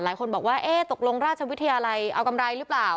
หลายคนบอกว่าเอ๊ะตกลงราชวิทยาลัยเอากำไรหรือเปล่า